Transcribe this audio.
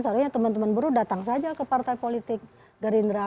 seharusnya teman teman buruh datang saja ke partai politik gerindra